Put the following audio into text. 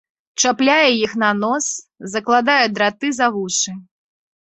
Чапляе іх на нос, закладае драты за вушы.